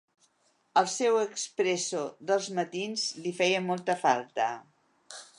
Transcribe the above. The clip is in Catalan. El seu expresso dels matins li feia molta falta.